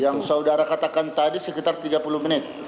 yang saudara katakan tadi sekitar tiga puluh menit